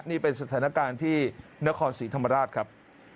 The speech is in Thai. นี่เป็นสถานการณ์ที่นครศรีธรรมราชครับ